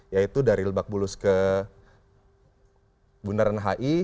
yaitu dari lebak bulus ke bundaran hi